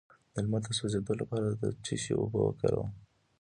د لمر د سوځیدو لپاره د څه شي اوبه وکاروم؟